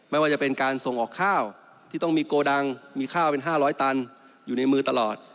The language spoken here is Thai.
ไม่ว่าจะเป็นการส่งออกข้าวที่ต้องมีโกดังมีข้าวเป็น๕๐๐ตันอยู่ในมือตลอด